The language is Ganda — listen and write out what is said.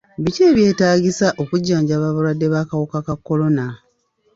Biki ebyetaagisa okujjanjaba abalwadde b'akawuka ka kolona?